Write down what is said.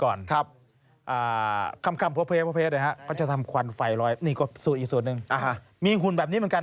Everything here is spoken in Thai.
โอ้โฮคุณพี่ต้องเปลี่ยนตัวใหม่แล้วล่ะค่ะ